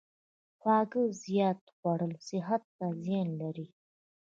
خواږه زیات خوړل صحت ته زیان لري.